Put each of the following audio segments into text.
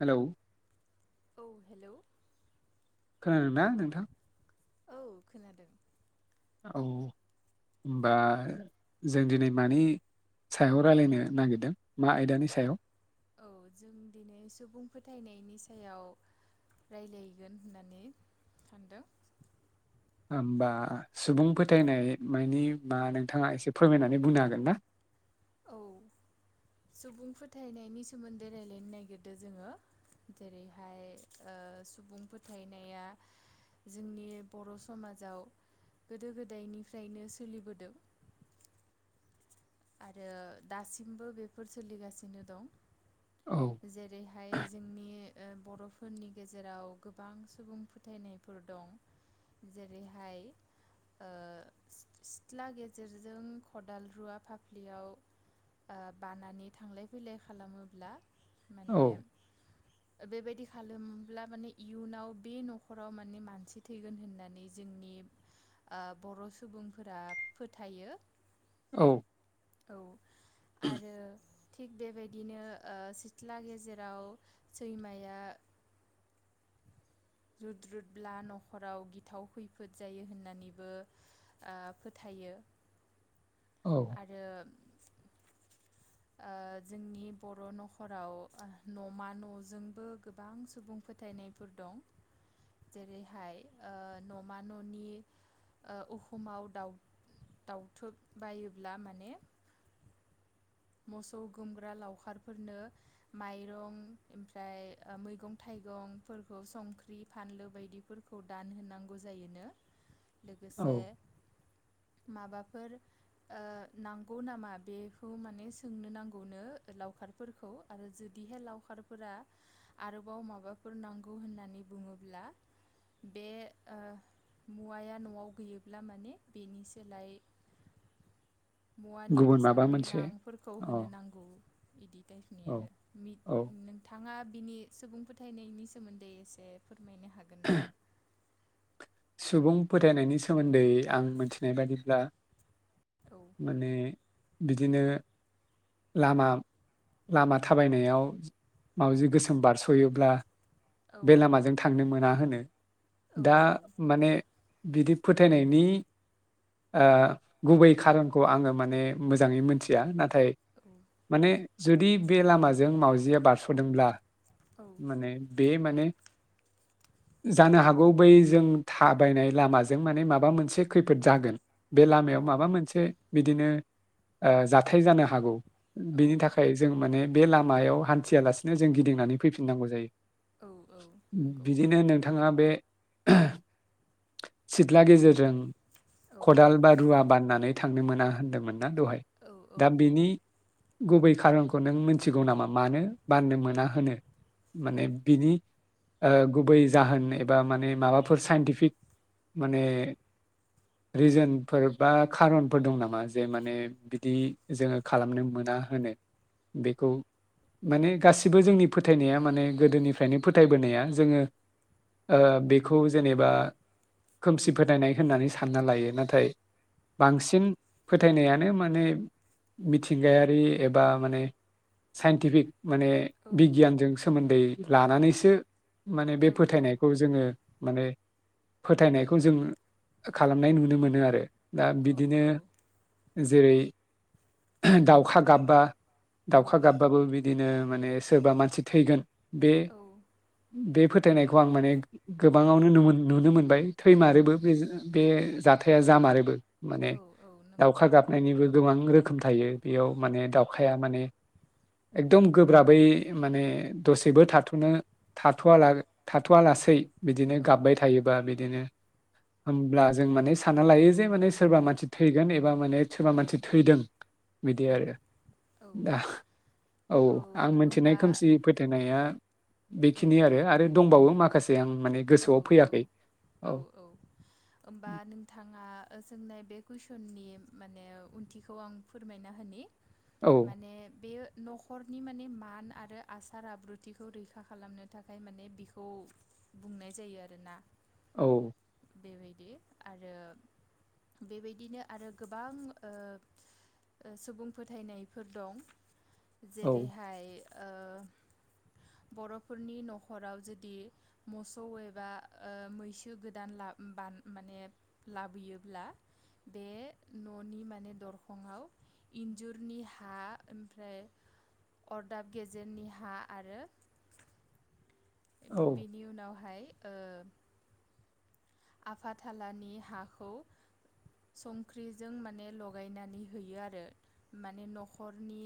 Hello. औ hello. खोनादों ना नोंथां? औ खोनादों। औ होनबा जों दिनै मानि सायाव रायलायनो नागिरदों? मा आयदानि सायाव औ जों दिनै सुबुं फोथायनाय नि सायाव रायलायगोन होननानै सानदों। होमबा सुबुं फोथायनाय मायनि मा नोंथाङा एसे फोरमायनानै बुंनो हागोन ना? औ सुबुं फोथायनायनि सोमोनदै रायलायनो नागिरदों जोङो जेरैहाय ओ सुबुं फोथायनाया जोंनि बर' समाजाव गोदो गोदायनिफ्रायनो सोलिबोदों। आरो दासिमबो बेफोर सोलिगासिनो दं। औ जेरै हाय जोंनि ओ बर'फोरनि गेजेराव गोबां सुबुं फोथायनायफोर दं जेरैहाय सि-सिथ्ला गेजेरजों खदाल रुवा फा फ्लियाव ओ बानानै थांलाय फैलाय खालामोब्ला औ माने बेबायदि खालामोब्ला माने इयुनाव बे न'खराव माने मानसि थैगोन होननानै जोंनि ओ बर' सुबुंफोरा फोथायो। औ औ आरो थिग बेबायदिनो ओ सिथ्ला गेजेराव सैमाया रुद्रुदब्ला न'खराव गिथाव खैफोद जायो होननानैबो ओ फोथायो। औ आरो ओ जोंनि बर' नखराव नमा नजोंबो गोबां सुबुं फोथायनायफोर दं जेरैहाय ओ नमा ननि ओ उहुमाव दाउ दाउथुब बायोब्ला माने मोसौ गुमग्रा लावखारफोरनो माइरं ओमफ्राय ओ मैगं थाइगंफोरखौ संख्रि फानलु बायदिफोरखौ दान होनांगौ जायोनो। औ लोगोसे माबाफोर ओ नांगौ नामा बेखौ माने सो सोंनो नांगौनो ओ लावखारफोरखौ आरो जुदिहे लावखारफोरा आरोबाव माबाफोर नांगौ होननानै बुङोब्ला बे ओ मुवाया नवाव गैयोब्ला माने बेनि सोलाय मुवानि गुबुन माबा बेसादनि मोनसे रां फोरखौ अ होनो नांगौ। इदि औ आरो औ नोंथाङा बिनि सुबुं फोथायनायनि सोमोन्दै एसे फोरमायनो हायो [inaudible] सुबुं फोथायनायनि सोमोन्दै आं मिथिनाय बादिब्ला औ माने बिदिनो लामा लामा थाबायनायाव औ माउजि गोसोम बारस'यो ब्ला औ बे लामाजों थांनोमोन ना होनो औ दा औ माने नंगौ बिदि फोथायनायनि ओ गुबै खारनखौ आङो माने मोजाङै मोनथिया नाथाय औ माने जुदि बे लामाजों मावजिया बारस'दोंब्ला औ माने बे माने जानो हागौ बै जों थाबायनाय लामाजों माने माबा मोनसे खैफोद जागोन बे लामायाव औ माबा मोनसे बिदिनो ओ जाथाय जानो हागौ औ बिनि थाखाय जों माने बे लामायाव हान्थियालासिनो जों गिदिंनानै फैफिननांगौ जायो औ औ नंगौ बिदिनो नोंथाङा बे ओह सिथ्ला गेजेरजों औ खदाल बा रुवा बाननानै थांनो मोना होन्दोंमोन ना दहाय औ औ दा बिनि गुबै खारनखौ नों मोनथिगौ नामा मानो बाननो मोना होनो माने बिनि ओ गुबै जाहोन एबा माने माबाफोर साइन्टिफिक माने रिजोनफोर बा खारनफोर दं नामा जे माने बिदि जोङो खालामनो मोना होनो बेखौ माने गासिबो जोंनि फोथायनाया माने गोदोनिफ्रायनो फोथायबोनाया जोङो ओ बेखौ जेनेबा खोमसि फोथायनाय होननानै सानना लायो नाथाय बांसिन फोथायनायानो माने मिथिंगायारि एबा माने साइन्टिफिक माने बिगियानजों सोमोन्दै लानानैसो माने औ बे फोथायनायखौ जोङो माने फोथायनायखौ जों खालामनाय नुनो मोनो आरो दा बिदिनो जेरै [unintelligible] दाउखा गाबबा दाउखा गाबबा बो बिदिनो माने सोरबा मानसि थैगोन बे बे फोथायनायखौ आं माने गोबाङावनो नुवो-नुनो मोनबाय औ थैमारोबो बेजो बे जाथाया जामारोबो माने औ नंगौ दाउखा गाबनायनिबो गोबां रो खोम थायो बेयाव माने दाउखाया माने एकदम गोब्राबै माने दसेबो थाथ'नो थाथ'वा लासेै बिदिनो औ गाबबाय थायोबा बिदिनो होमब्ला जों माने सानना लायो जे माने सोरबा मानसि थैगोन एबा सोरबा माने सोरबा औ मानसि थैदों बिदि औ आरो औ दा औ आं मोनथिनाय होमबा खोमसि फोथायनाया औ बेखिनि आरो आरो दंबावो माखा औ औ औ औ होनोमबा नोंथाङा सोंनाय बे कुइस सननि माने ओंथिखौ आं फोरमायना होननि औ माने बेयो न'खरनि माने मान आरो आसार आब्रुथिखौ रैखा खालामनो थाखाय माने बिखौ बुंनाय जायो आरोना औ बेबायदि आरो बेबायदिनो आरो गोबां ओ ओ सुबुं फोथायनायफोर दं। औ जेरैहाय ओह बर'फोरनि नख'राव जुदि मोसौ एबा ओ मैसो गोदान ला बान माने लाबोयोब्ला बे ननि माने दरखंआव इन्जुरनि हा ओमफ्राय अरदाब गेजेरनि हा आरो औ बेनि उनावहाय ओ आफाथालानि हाखौ संख्रिजों माने लगायनानै होयो आरो माने नखरनि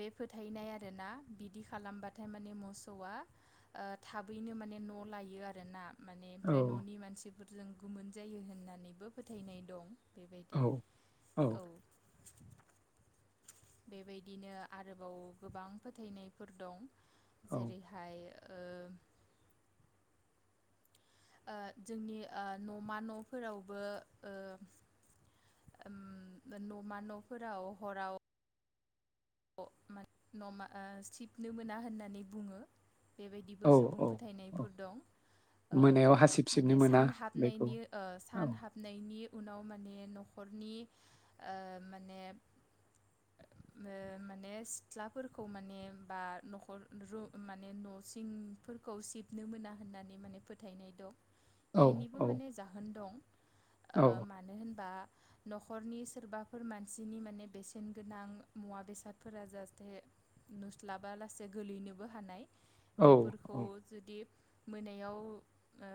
बे फोथायनाय आरोना बिदि खालामबाथाय माने मोसौआ ओ थाबैनो माने न' लायो आरोना माने ओमफ्राय न'नि मानसि जों गोमोन जायो होननानैबो फोथायनाय दं। औ बेबायदि औ। बेबायदिनो आरोबाव गोबां फोथायनायफोर दं औ जेरैहाय ओ ओ जोंनि ओ न'मा न'फोरावबो ओ ओम न'मा न'फोराव हराव अ माने न'मा ओ सिबनो मोना होननानै बुङो। बेबायदिबो सुबुं औ औ फोथायनायफोर दं ओ मोनायाव हासिब सिबनो माने मोना सान बेखौ हाबनायनि ओ औ सान हाबनायनि उनाव माने नखर नखरनि ओ माने ओ माने सिथ्लाफोरखौ माने बा नखर रु माने न' सिंफोरखौ सिबनो मोना होननानै माने फोथायनाय दं। औ बिनिबो औ माने जाहोन दं ओ औ मानो होनबा न'खरनि सोरबाफोर मानसिनि माने बेसेन गोनां मुवा बेसाद फोरा जाहाथे नुस्लाबा लासे गोलैनोबो हानाय। औ बेफोरखौ औ जुदि मोनायाव ओ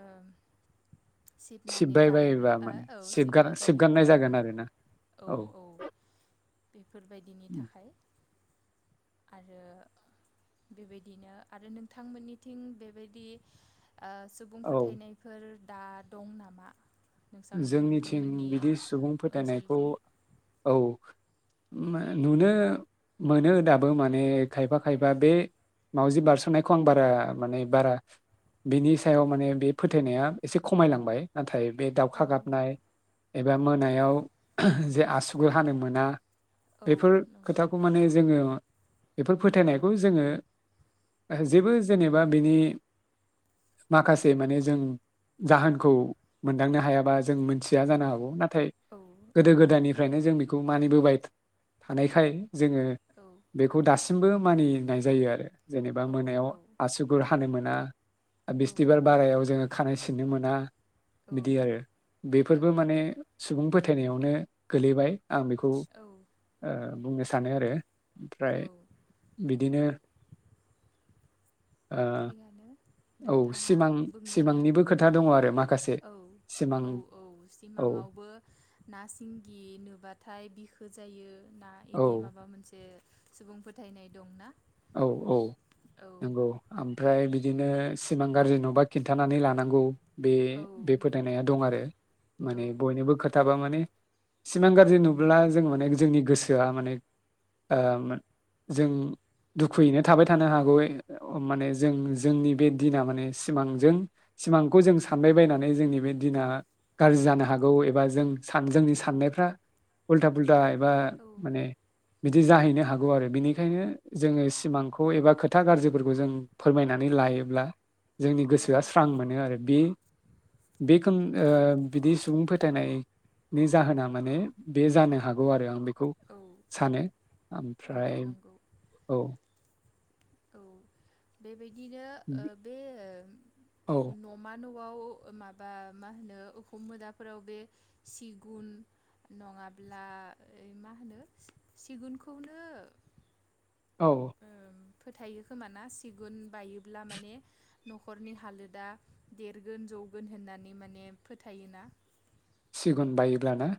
सिबनानै सिबबाय बायोबा गारोब्ला माने ओ औ सिबगार सिबबाय सिबगारनाय बायोब्ला जागोन माने आरोना औ औ। बेफोर बायदिनि थाखाय आरो बेबायदिनो आरो नोंथांमोननिथिं बेबायदि सुबुं औ फोथायनायफोर दा दं नामा? नोंसां जोंनिथिं नोंथांमोननि बिदि सुबुं फोथायनायखौ ओनसोलथिं औ। नुनो मोनो दाबो माने खायफा औ खायफा बे मावजि बारस'नायखौ आं बारा माने बारा बिनि सायाव माने बे फोथायनाया एसे खमायलांबाय नाथाय बे अखा गाबनाय एबा औ मोनायाव जे आसुगुरहानो मोना। औ बेफोर नंगौ खोथाखौ माने जोङो ओ बेफोर फोथायनायखौ जोंङो ओ जेबो जेनेबा बिनि माखासे माने जों जाहोनखौ मोनदांनो हाया। बा जों मोनथिया जानो हागौ ना थाय औ गोदो गोदायनिफ्रायनो जों बि खौ मानिबोबाय थानायखाय जोङो औ बेखौ दास सिमबो मानि नाय जायो आरो। जेनेबा औ मोनायाव औ आसुगुर हानो मोन ना औ बिस्थिबार नंगौ बारायाव जोङो खानाय सिननो मोन ना औ बिदि आरो औ बेफोरबो माने सुबुं फोथायनायावनो गोलैबाय। आं बेखौ ओ बुंनो सानो आरो। औ ओमफ्राय बिदिनो ओ थिगानो औ नोंथाङा सिमां बुंनाया सिमांनिबो खोथा दङ आरो माखासे औ सिमां औ औ औ सिमांङावबो ना सिंगि नुबाथाय बि बिखो जायो ना इदि औ माबा मोनसे सुबुं फोथायनाय दंना? औ औ औ नंगौ ओमफ्राय बिदिनो सिमां गाज्रि नुबा खिन्थानानै लानांगौ बे औ बे नंगौ फोथायनाया दं आरो औ माने औ बयनोबो खोथाबा माने सिमां गाज्रि नुब्ला जों माने जोंनि गोसोआ माने ओ जों औ दुखुयैनो थाबाय थानो हागौ ओ माने जों जोंनि बे दिना माने सिमांजों सिमांखौ जों सानबायबायनानै जोंनि बे दिना गाज्रि जानो हागौ एबा जों सान जोंनि साननायफ्रा उल्था फुल दा एबा माने बिदि जाहैनो हागौ आरो बिनिखायनो जोङो सिमांखौ एबा खोथा गाज्रिफोरखौ जों फोरमायनानै लायोब्ला जोंनि औ गोसोआ स्रां मोनो आरो बे बेखोम ओ बिदि सुबुं फोथायनायनि जाहोना माने बे जानो हागौ आरो आं बे खौ औ सानो औ ओमफ्राय नंगौ औ औ बेबाय बिदिनो ओ बे औ न'मा न' आव माबा मा होनो उखुम मोदाफोराव बे सिगुन नङाब्ला मा होनो सिगुनखौनो औ ओम फोथायो खोमा ना सिगुन बायोब्ला माने न'खरनि हालोदा देरगोन जौगोन होननानै माने फोथायोना। सिगुन बायोब्लाना?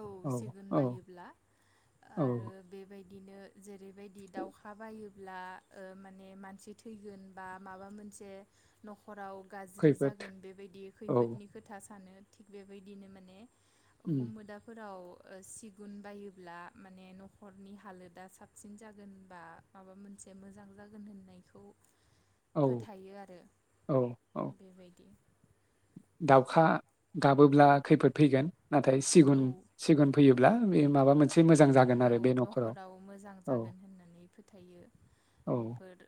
औ सिगुन बायोब्ला औ आरो बेबाय बिदिनो जे बेबायदि दाउखा बायो ब्ला ओ माने मानसि थैगोन बा माबा मोनसे न'खराव गाज्रि खैफोद जागोन बेबायदि औ खैफोदनि खोथा सानो। थिग बेबायदिनो माने अखोम उम, मोदाब फोराव ओ सिगुन बायोब्ला माने न'खरनि हालोदा साबसिन जागोन बा माबा मोनसे मोजां जागोन होननायखौ औ फोथायो आरो औ औ बेबायदि। दाउखा गाबोब्ला खैफोद फैगोन नाथाय सिगुन सिगुन फैयो ब्ला बे माबा मोन नौ नखराव मोजां औ जागोन होननानै फोथायो औ बेफोर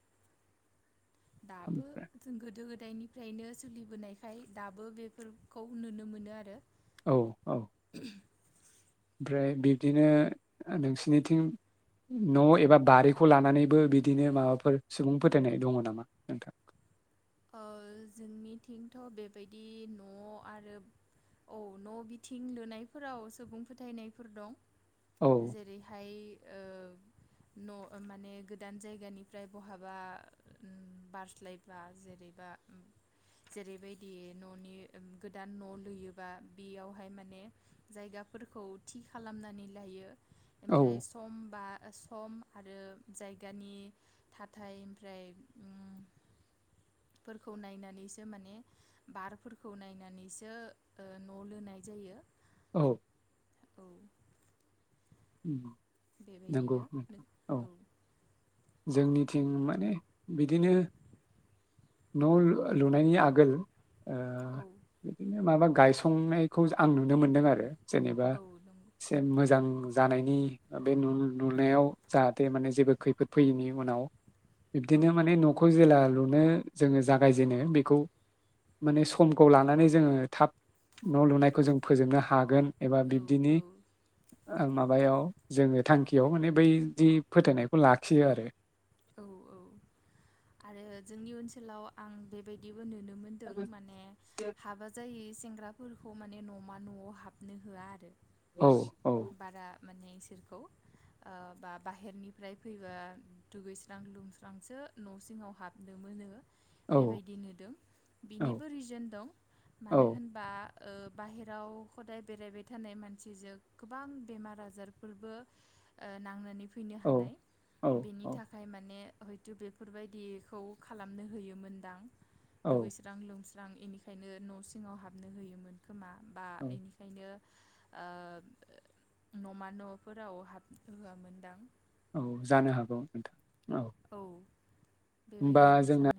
दाबो ओमफ्राय जों गोदो गोद गोदायनिफ्रायनो सोलिबोनायखाय दाबो बेफोरखौ नुनो मोनो आरो। औ औ। ओमफ्राय बिब्दिनो नोंसिनिथिं न' औ एबा बारिखौ लानानै बो बिदिनो माबाफोर सुबुं फोथायनाय दङ नामा नोंथां ओ जोंनिथिंथ' बेबायदि न' आरो औ न' बिथिं लुनायफोराव सुबुं फोथायनायफोर दं। औ जेरैहाय ओ न' माने गोदान जायगानिफ्राय बहाबा ओम बारस्लायबा जे। जेरैबा ओम जेरैबायदि न'नि ओम गोदान न' लुयोबा बेयावहाय माने जायगाफोरखौ थि खालामनानै लायो। औ ओमफ्राय समबा सम आरो जायगानि थाथाय ओमफ्राय ओम फोरखौ नायनानैसो माने बारफोरखौ नायनानैसो ओ न' लुनाय जायो। औ। औ। उम नंगौ बेबायदिनो नोंथां औ [unintelligible] जोंनिथिं माने बिदिनो न' लु लुनायनि आगोल ओ औ बिदिनो माबा गायसंनायखौ जा आं नुनो मोनदों आरो जेनेबा औ नंगौ एसे मोजां जानायनि बे नु नुनायाव जाहाथे माने जेबो खैफोद फैयैनि उनाव बिबदिनो माने औ नखौ जेला लु नो जोङो जागायजेनो बेखौ माने समखौ लानानै जोङो थाब न' लुनायखौ जों फोजोबनो हागोन एबा औ बिब्दिनि औ ओं माबायाव जोङो थांखियाव माने बै दि फोथायनायखौ लाख खियो आरो औ औ आरो जोंनि ओनसोलाव आं बेबायदि नुनो मोन्दों माने हाबा जायि सेंग्राफोरखौ माने न'मा न'आव हाबनो होआ आरो औ औ बारा माने इसोरखौ ओ बा बाहेरनिफ्राय फैबा दुगैस्रां लुंस्रांसो न' सिङाव हाबनो मोनो औ बेबायदि नुदों, औ बिनिबो रिजोन दं औ मानो होनबा ओ बाहेराव हदाय बेरायबाय थानाय मानसिजों गोबां बेमार आजारफोरबो औ नांनानै फै फैनो औ हानाय औ बेनि औ ओमफ्राय माने हयथ' बेफोरबायदिखौ खालामनो होयोमोनदां औ दुगैस्रां लोम स्रां एनिखायनो न' सिङाव हाबनो होयोमोन खोमा बा औ एनिखायनो ओब न'मा न'फोराव हाबनो होआमोनदां? औ जानो हागौ नोंथां औ औ होमबा बेबायदि आं जोंना सानो